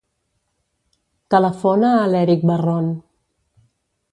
Telefona a l'Erik Barron.